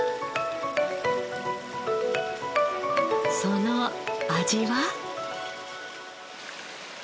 その味は？